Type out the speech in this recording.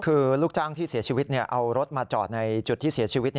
คือลูกจ้างที่เสียชีวิตเอารถมาจอดในจุดที่เสียชีวิต